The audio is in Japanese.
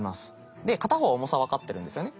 で片方は重さ分かってるんですよね。